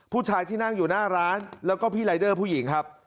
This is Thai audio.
ผู้ชายที่นั่งอยู่หน้าร้านแล้วก็พี่รายเดอร์ผู้หญิงครับ